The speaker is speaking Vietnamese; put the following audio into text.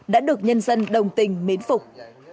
đã được nhân dân đồng tình mến phục